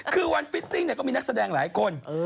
เขาก็ฉ่อนมาหรอ